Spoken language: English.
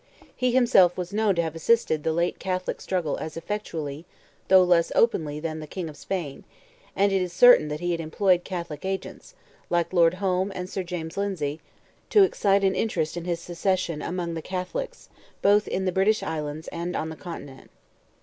He himself was known to have assisted the late Catholic struggle as effectually, though less openly than the King of Spain, and it is certain that he had employed Catholic agents, like Lord Home and Sir James Lindsay, to excite an interest in his succession among the Catholics, both in the British Islands and on the Continent.